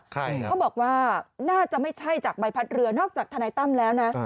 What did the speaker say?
เขาบอกว่าน่าจะไม่ใช่จากใบพัดเรือนอกจากทนายตั้มแล้วนะ